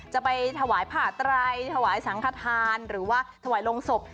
จะไปถวายผ่าไตรถวายสังขทานหรือว่าถวายลงศพ